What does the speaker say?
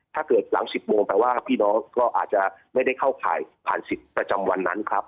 หลัง๑๐โมงแปลว่าพี่น้องก็อาจจะไม่ได้เข้าข่ายผ่านสิทธิ์ประจำวันนั้นครับ